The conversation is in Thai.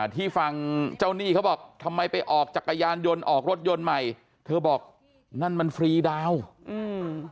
ที่ฝั่งเจ้าหนี้เขาบอกทำไมไปออกจักรยานยนต์ออกรถยนต์ใหม่เธอบอกนั่นมันฟรีดาวน์อืม